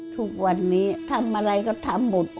ทุกวันนี้ทำอะไรก็ทำหมด